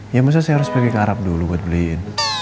ya maksudnya saya harus pergi ke arab dulu buat beliin